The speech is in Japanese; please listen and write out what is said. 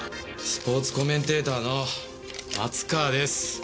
スポーツコメンテーターの松川です。